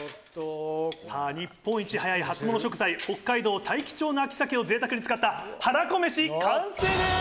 さぁ日本一早い初モノ食材北海道大樹町の秋鮭をぜいたくに使ったはらこ飯完成です！